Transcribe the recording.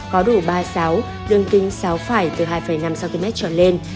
có đủ ba xáo đường kinh sáu phải từ hai năm cm trọn lên